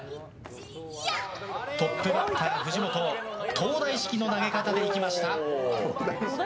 トップバッター藤本東大式の投げ方でいきました。